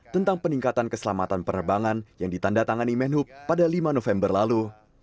tentang peningkatan keselamatan penerbangan yang ditanda tangani menhub pada lima november lalu